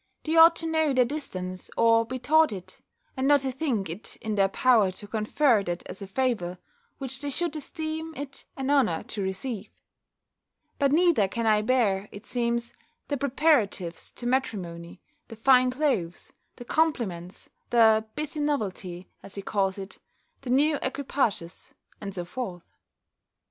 They ought to know their distance, or be taught it, and not to think it in their power to confer that as a favour, which they should esteem it an honour to receive. But neither can I bear, it seems, the preparatives to matrimony, the fine clothes, the compliments, the busy novelty, as he calls it, the new equipages, and so forth.